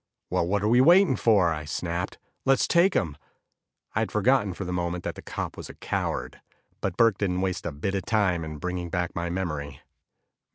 "Well, what are we waiting for?" I snapped, "let's take them!" I had forgotten for the moment that the cop was a coward; but Burke didn't waste a bit of time in bringing back my memory.